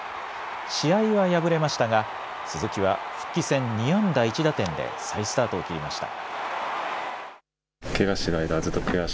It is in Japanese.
試合は敗れましたが鈴木は復帰戦２安打１打点で再スタートを切りました。